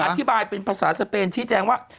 เพราะอธิบายเป็นภาษาสเปนที่แจ้งว่า